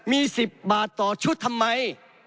มี๑๐บาทต่อชุดทำไม